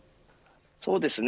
そうですね。